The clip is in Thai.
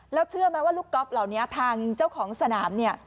แล้วเชื่อไหมว่าลูกก๊อฟเหล่านี้ทางเจ้าของสนามเนี่ย